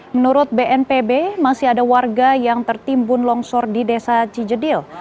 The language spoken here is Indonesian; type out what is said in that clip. menurut bnpb masih ada warga yang tertimbun longsor di desa cijedil